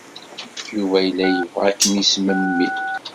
Yuba yella yebɣa ad kem-yesmemmi.